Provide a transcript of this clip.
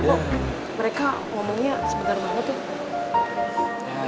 oh mereka ngomongnya sebentar mana tuh